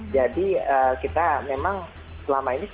jadi kita memang selama ini